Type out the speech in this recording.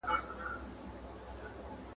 هسي نه چي د زمان خزان دي یوسي !.